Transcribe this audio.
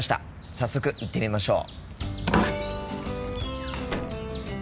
早速行ってみましょう。